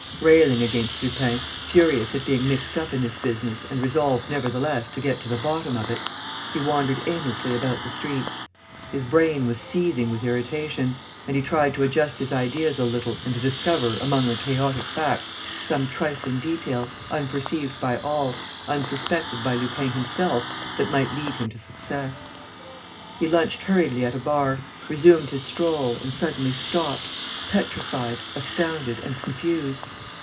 Railing against Lupin, furious at being mixed up in this business and resolved, nevertheless, to get to the bottom of it, he wandered aimlessly about the streets. His brain was seething with irritation; and he tried to adjust his ideas a little and to discover, among the chaotic facts, some trifling detail, unperceived by all, unsuspected by Lupin himself, that might lead him to success. He lunched hurriedly at a bar, resumed his stroll and suddenly stopped, petrified, astounded and confused.